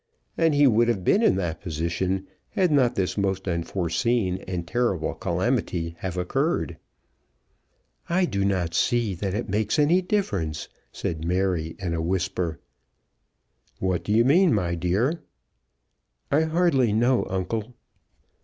And he would have been in that position had not this most unforeseen and terrible calamity have occurred." "I do not see that it makes any difference," said Mary, in a whisper. "What do you mean, my dear?" "I hardly know, uncle."